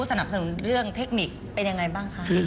สนับสนุนเรื่องเทคนิคเป็นยังไงบ้างคะ